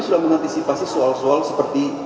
sudah mengantisipasi soal soal seperti